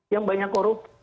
yang banyak korupsi